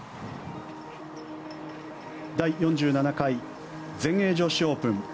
第４７回全英女子オープン。